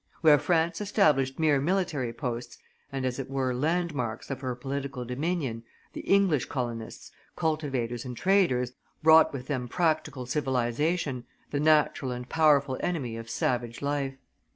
Where France established mere military posts, and as it were landmarks of her political dominion, the English colonists, cultivators and traders, brought with them practical civilization, the natural and powerful enemy of savage life.